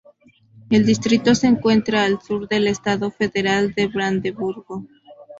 El distrito se encuentra al sur del estado federal de Brandeburgo.